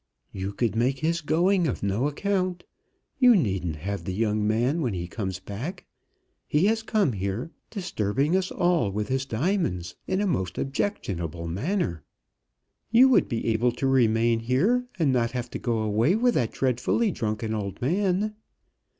"You could make his going of no account. You needn't have the young man when he comes back. He has come here, disturbing us all with his diamonds, in a most objectionable manner." "You would be able to remain here and not have to go away with that dreadfully drunken old man."